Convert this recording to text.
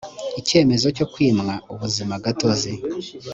icyemezo cyo kwimwa ubuzimagatozi